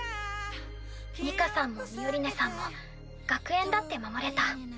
ニカさんもミオリネさんも学園だって守れた。